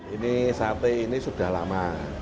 ini sate ini sudah lama